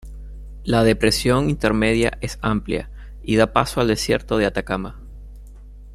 La Depresión Intermedia es amplia y da paso al Desierto de Atacama.